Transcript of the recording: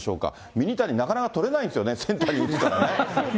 ミニタニ、なかなか捕れないんですよね、センターに打つからね。